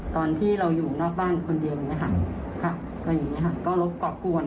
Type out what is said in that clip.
ตอนที่เราอยู่หน้าบ้านคนเดียวเนี่ยค่ะ